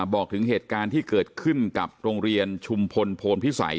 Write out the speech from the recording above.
บอกถึงเหตุการณ์ที่เกิดขึ้นกับโรงเรียนชุมพลโพนพิสัย